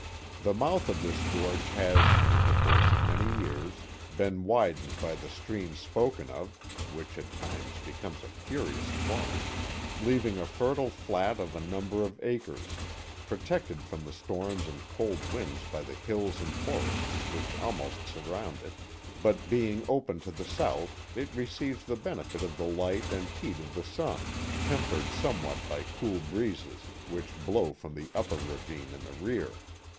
The mouth of this gorge has, in the course of many years, been widened by the stream spoken of (which at times becomes a furious torrent), leaving a fertile flat of a number of acres, pro tected from the storms and cold winds by the hills and forests which almost surround it; but being open to the south, it re ceives the benefit of the light and heat of the sun, tempered somewhat by cool breezes which blow from the upper ravine in the rear.